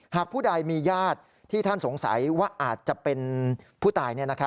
ผู้ใดมีญาติที่ท่านสงสัยว่าอาจจะเป็นผู้ตาย